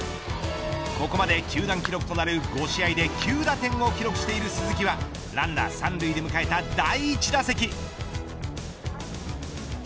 ここまで球団記録となる５試合で９打点を記録している鈴木はランナー３塁で迎えた第１打席。